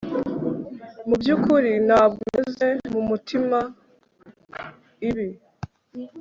Mubyukuri ntabwo meze mumutima ibi